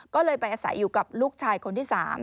ก็เลยไปอาศัยอยู่กับลูกชายคนที่๓